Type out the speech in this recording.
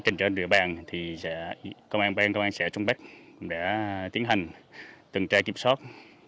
trên trở địa bàn công an bên công an xã trung bắc đã tiến hành tuần tra kiểm soát